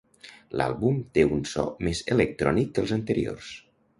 L'àlbum té un so més electrònic que els anteriors.